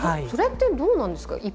それってどうなんですか？